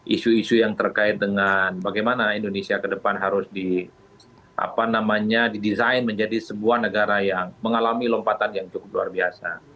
isu isu yang terkait dengan bagaimana indonesia ke depan harus didesain menjadi sebuah negara yang mengalami lompatan yang cukup luar biasa